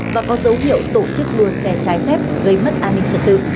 và có dấu hiệu tổ chức đua xe trái phép gây mất an ninh trật tự